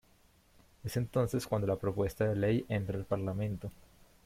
Es entonces cuando la propuesta de ley entra al parlamento.